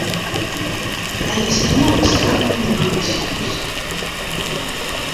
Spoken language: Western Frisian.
Hy is himelbestoarmjend ambisjeus.